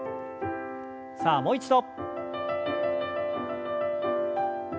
さあもう一度。